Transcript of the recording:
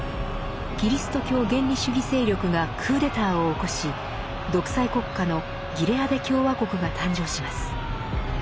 キリスト教原理主義勢力がクーデターを起こし独裁国家のギレアデ共和国が誕生します。